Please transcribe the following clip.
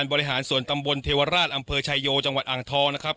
บริหารส่วนตำบลเทวราชอำเภอชายโยจังหวัดอ่างทองนะครับ